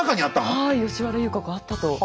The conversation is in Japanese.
はい吉原遊郭あったと。